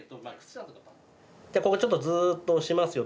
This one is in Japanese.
じゃここちょっとずっと押しますよ。